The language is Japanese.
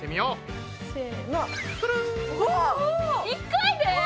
１回で？